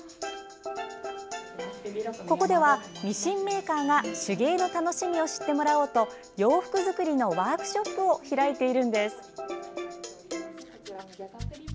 ここでは、ミシンメーカーが手芸の楽しみを知ってもらおうと洋服作りのワークショップを開いているんです。